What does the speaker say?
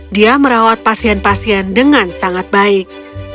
dia merawat pasien pasien dengan sangat baik